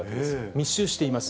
密集しています。